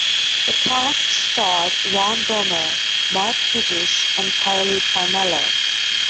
The cast starred Ron Bohmer, Marc Kudisch and Carolee Carmello.